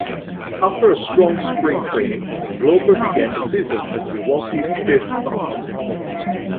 After a strong spring training Glover began the season as Milwaukee's fifth starter.